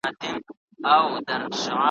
چي له خپل منبره واورم له واعظه آیتونه ,